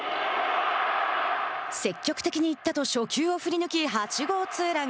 積極的に行ったと初球を振り抜き、８号ツーラン。